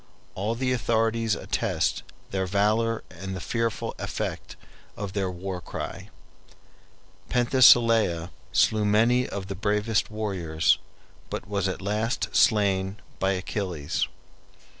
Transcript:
All the authorities attest their valor and the fearful effect of their war cry. Penthesilea slew many of the bravest warriors, but was at last slain by Achilles.